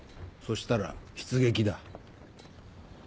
そしたら出撃だ。